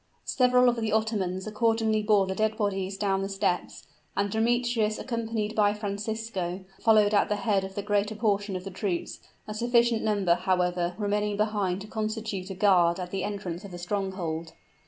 Several of the Ottomans accordingly bore the dead bodies down the steps; and Demetrius, accompanied by Francisco, followed at the head of the greater portion of the troops, a sufficient number, however, remaining behind to constitute a guard at the entrance of the stronghold.